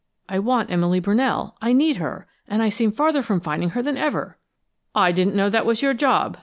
"I want Emily Brunell; I need her and I seem farther from finding her than ever!" "I didn't know that was your job!"